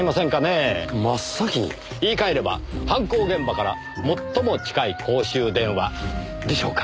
言い換えれば犯行現場から最も近い公衆電話でしょうか。